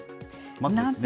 まずですね。